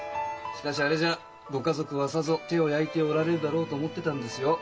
しかしあれじゃあご家族はさぞ手を焼いておられるだろうと思ってたんですよ。